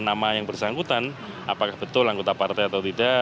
nama yang bersangkutan apakah betul anggota partai atau tidak